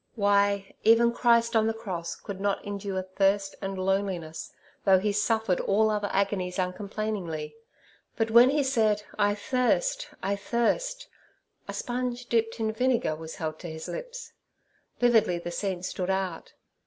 Why, even Christ on the cross could not endure thirst and loneliness, though He suffered all other agonies uncomplainingly. But when He said, 'I thirst, I thirst' a sponge dipped in vinegar was held to His lips. Vividly the scene stood out.